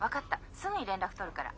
すぐに連絡取るから。